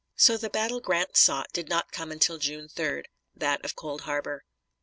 So the battle Grant sought did not come until June 3d that of Cold Harbor.